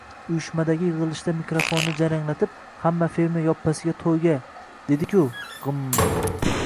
– Uyushmadagi yig‘ilishda mikrofonni jaranglatib, hamma fermer yoppasiga to‘yga, dedi-ku! G‘imm…